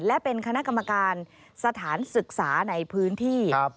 และเป็นคณะกรรมการสถานศึกษาในพื้นที่